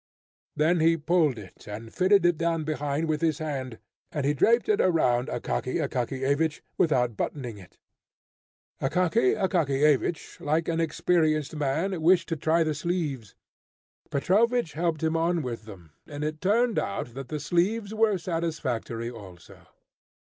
Then he pulled it and fitted it down behind with his hand, and he draped it around Akaky Akakiyevich without buttoning it. Akaky Akakiyevich, like an experienced man, wished to try the sleeves. Petrovich helped him on with them, and it turned out that the sleeves were satisfactory also.